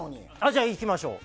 じゃあ、いきましょう。